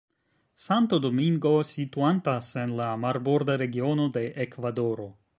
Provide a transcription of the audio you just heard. Santo Domingo situantas en la Marborda Regiono de Ekvadoro.